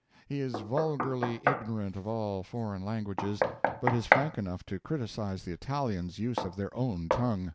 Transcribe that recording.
He is vulgarly ignorant of all foreign languages, but is frank enough to criticise the Italians' use of their own tongue.